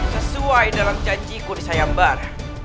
sesuai dalam janjiku di sayambar